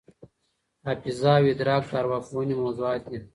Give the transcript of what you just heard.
حافظه او ادراک د ارواپوهني موضوعات دي.